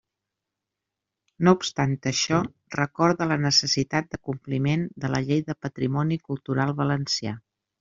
No obstant això, recorda la necessitat de compliment de la Llei de patrimoni cultural valencià.